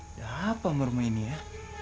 udah apa rumah ini ya